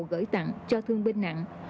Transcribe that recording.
gửi tặng cho thương binh nặng